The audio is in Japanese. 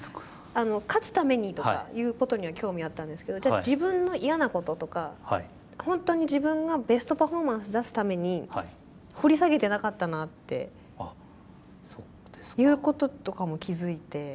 あの勝つためにとかいうことには興味あったんですけどじゃあ自分の嫌なこととかほんとに自分がベストパフォーマンス出すために掘り下げてなかったなっていうこととかも気付いて。